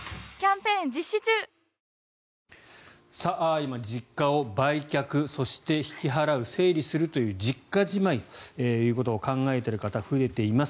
今、実家を売却そして引き払う、整理するという実家じまいということを考えている方が増えています。